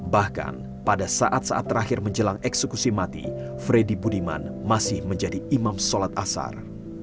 bahkan pada saat saat terakhir menjelang eksekusi mati freddy budiman masih menjadi imam sholat asar